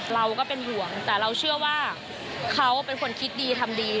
เราก็เป็นห่วงแต่เราเชื่อว่าเขาเป็นคนคิดดีทำดี